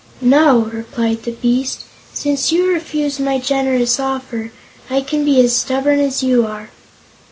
"No," replied the beast; "since you refuse my generous offer, I can be as stubborn as you are."